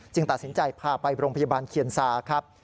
ตัดสินใจพาไปโรงพยาบาลเคียนซาครับ